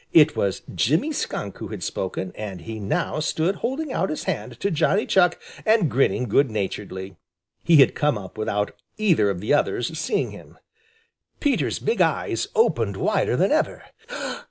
It was Jimmy Skunk who had spoken, and he now stood holding out his hand to Johnny Chuck and grinning good naturedly. He had come up without either of the others seeing him. Peter's big eyes opened wider than ever.